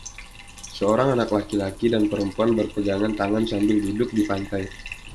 Seorang anak laki-laki dan perempuan berpegangan tangan sambil duduk di pantai.